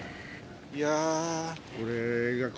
いや。